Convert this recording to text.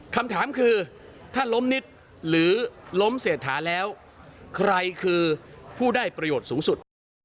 คำถามคือถ้าล้มนิดหรือล้มเศรษฐาแล้วใครคือผู้ได้ประโยชน์สูงสุด